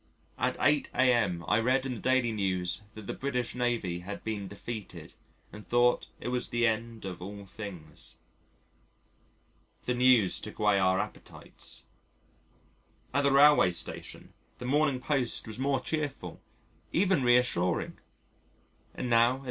At 8 a.m. I read in the Daily News that the British Navy had been defeated, and thought it was the end of all things. The news took away our appetites. At the railway station, the Morning Post was more cheerful, even reassuring, and now at 6.